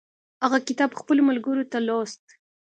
هغه کتاب خپلو ملګرو ته لوست.